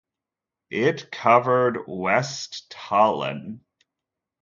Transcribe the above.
It covered west Tallinn.